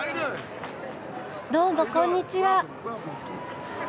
どうもこんにちは。